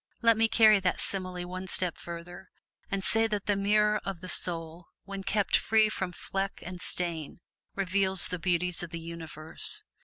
Let me carry that simile one step further, and say that the mirror of the soul when kept free from fleck and stain, reveals the beauties of the universe.